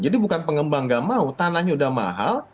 jadi bukan pengembang nggak mau tanahnya udah mahal